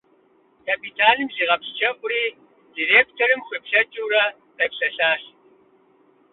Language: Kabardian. Капитаным зигъэпсчэуӀури, директорым хуеплъэкӀыурэ, къепсэлъащ.